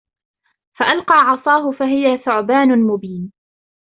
فألقى عصاه فإذا هي ثعبان مبين